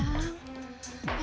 nah ampe si mendek